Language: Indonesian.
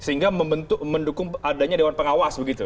sehingga mendukung adanya dewan pengawas begitu